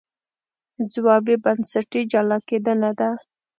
ځواب یې بنسټي جلا کېدنه ده.